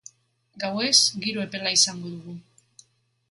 Gauez giro epela izango dugu.